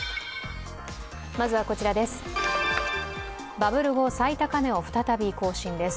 バブル後、最高値を再び更新です